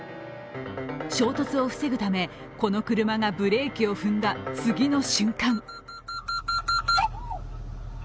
衝突を防ぐため、この車がブレーキを踏んだ次の瞬間。